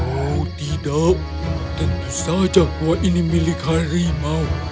oh tidak tentu saja kuah ini milik harimau